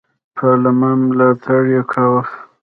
پارلمان ملاتړ یې کاوه.